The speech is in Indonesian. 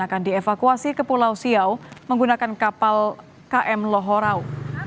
akan dievakuasi ke pulau siau menggunakan kapal km lohorau